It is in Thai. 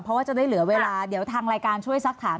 เพราะว่าจะได้เหลือเวลาเดี๋ยวทางรายการช่วยสักถาม